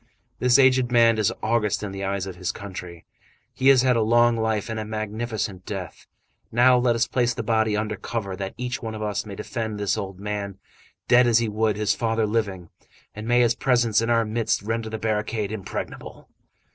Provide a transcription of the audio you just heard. This aged man is august in the eyes of his country. He has had a long life and a magnificent death! Now, let us place the body under cover, that each one of us may defend this old man dead as he would his father living, and may his presence in our midst render the barricade impregnable!"